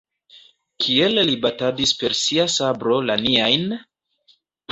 Kiel li batadis per sia sabro la niajn?